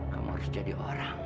kamu harus jadi orang